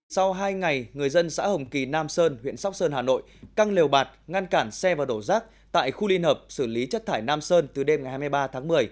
sau hai ngày người dân xã hồng kỳ nam sơn huyện sóc sơn hà nội căng lều bạt ngăn cản xe và đổ rác tại khu liên hợp xử lý chất thải nam sơn từ đêm ngày hai mươi ba tháng một mươi